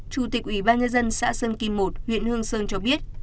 chủ tịch ủy ban nhân dân xã sơn kim một huyện hương sơn cho biết